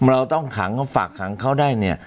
เราต้องขังเขาฝากขังเขาได้เนี่ย